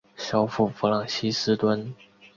首府弗朗西斯敦。